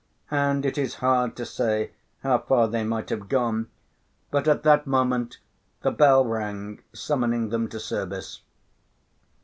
And it is hard to say how far they might have gone, but at that moment the bell rang summoning them to service.